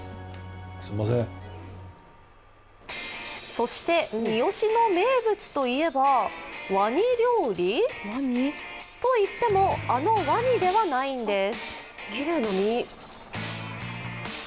そして三次の名物といえば、ワニ料理？といってもあのワニではないんです。